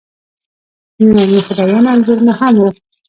د یوناني خدایانو انځورونه هم وو